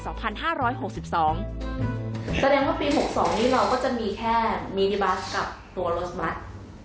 แสดงว่าปี๖๒นี้เราก็จะมีแค่มินิบัสกับตัวรถบัตร